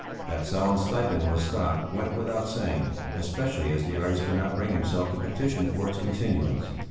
That Sellén's stipend was stopped went without saying, especially as the artist could not bring himself to petition for its continuance.